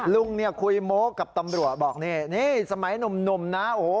ลุงคุยโม้กกับตำรวจบอกนี่สมัยหนุ่มนะ